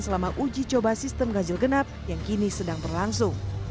selama uji coba sistem ganjil genap yang kini sedang berlangsung